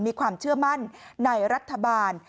มีความเชื่อมั่นในรัฐบาล